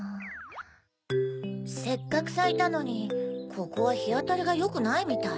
せっかくさいたのにここはひあたりがよくないみたい。